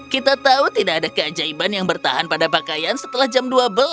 kita tahu tidak ada keajaiban yang bertahan pada pakaian setelah jam dua belas